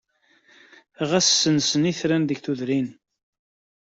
Ɣas ssensen itran deg tudrin.